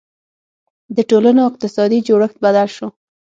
• د ټولنو اقتصادي جوړښت بدل شو.